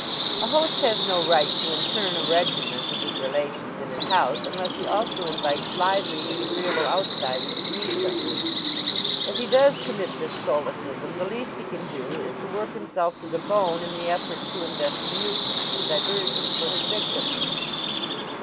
A host has no right to interne a regiment of his relations in his house unless he also invites lively and agreeable outsiders to meet them. If he does commit this solecism the least he can do is to work himself to the bone in the effort to invent amusements and diversions for his victims.